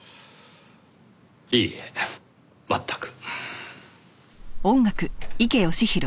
いいえ全く。